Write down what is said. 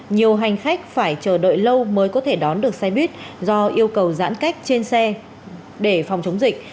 nhiều hành khách phải chờ đợi lâu mới có thể đón được xe buýt do yêu cầu giãn cách trên xe để phòng chống dịch